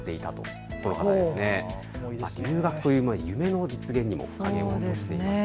留学という夢の実現にも影を落としています。